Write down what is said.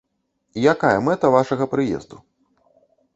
Якая мэта вашага прыезду?